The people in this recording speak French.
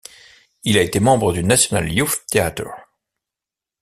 Il a été membre du National Youth Theatre.